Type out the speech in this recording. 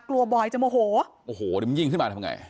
บอยจะโมโหโอ้โหเดี๋ยวมันยิงขึ้นมาทำไง